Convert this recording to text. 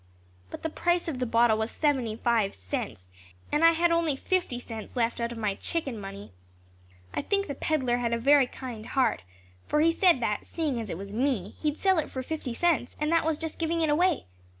But the price of the bottle was seventy five cents and I had only fifty cents left out of my chicken money. I think the peddler had a very kind heart, for he said that, seeing it was me, he'd sell it for fifty cents and that was just giving it away.